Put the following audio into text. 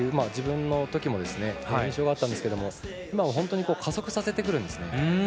自分のときも練習はあったんですけど今は本当に加速させてくるんです。